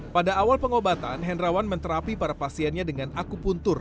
pada awal pengobatan hendrawan menerapi para pasiennya dengan aku puntur